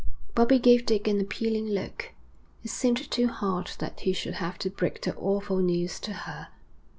Bobbie gave Dick an appealing look. It seemed too hard that he should have to break the awful news to her.